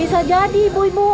bisa jadi ibu ibu